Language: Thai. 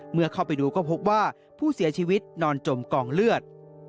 เมื่อเข้าไปดูก็พบว่าผู้เสียชีวิตนอนจมกองเลือด